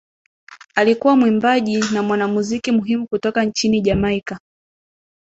Alikuwa mwimbaji na mwanamuziki muhimu kutoka nchini Jamaika